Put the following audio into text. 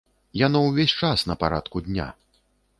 Яно ўвесь час на парадку дня.